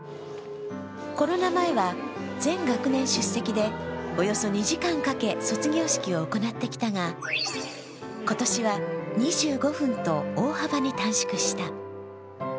コロナ前は、全学年出席でおよそ２時間かけ卒業式を行ってきたが今年は、２５分と大幅に短縮した。